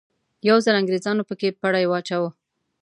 یو ځل انګریزانو په کې پړی واچاوه.